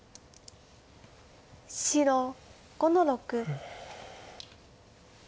白５の六。